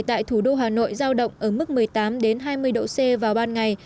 tại thủ đô hà nội giao động ở mức một mươi tám hai mươi độ c vào ban ngày